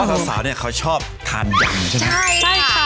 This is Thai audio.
เพราะว่าสาวเนี่ยเขาชอบทานยำใช่ไหม